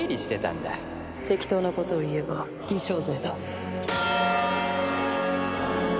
適当なことを言えば偽証罪だ。